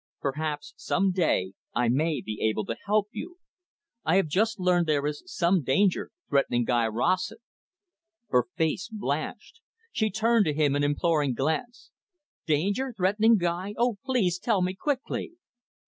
"Perhaps some day I may be able to help you. I have just learned there is some danger threatening Guy Rossett." Her face blanched. She turned to him an imploring glance. "Danger threatening Guy. Oh, please tell me, quickly."